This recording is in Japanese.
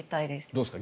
どうですか？